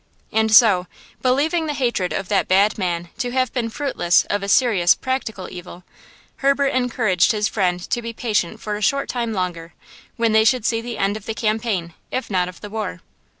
And so, believing the hatred of that bad man to have been fruitless of serious, practical evil, Herbert encouraged his friend to be patient for a short time longer, when they should see the end of the campaign, if not of the war.